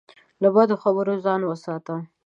له بدو خبرو ځان وساته.